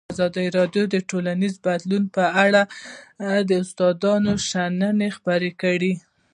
ازادي راډیو د ټولنیز بدلون په اړه د استادانو شننې خپرې کړي.